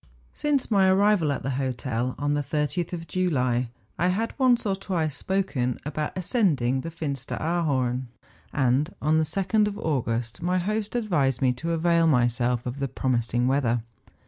Since my arrival at the hotel, on the 30th of July, I had once or twice spoken about ascending the Fin steraarhorn; and on the 2d of August my host ad¬ vised me to avail myself of the promising weather.